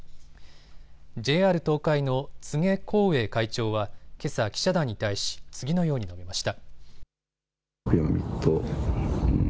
ＪＲ東海の柘植康英会長はけさ、記者団に対し次のように述べました。